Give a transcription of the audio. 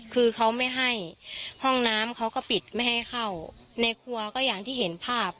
คือเขาไม่ให้ห้องน้ำเขาก็ปิดไม่ให้เข้าในครัวก็อย่างที่เห็นภาพ